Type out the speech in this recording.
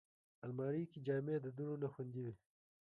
الماري کې جامې د دوړو نه خوندي وي